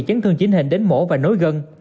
chấn thương chính hình đến mổ và nối gân